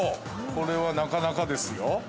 これはなかなかですよ。